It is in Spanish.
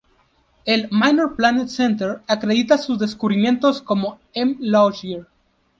El Minor Planet Center acredita sus descubrimientos como M. Laugier.